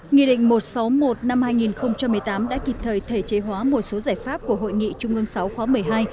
nghị định một trăm sáu mươi một năm hai nghìn một mươi tám đã kịp thời thể chế hóa một số giải pháp của hội nghị trung ương sáu khóa một mươi hai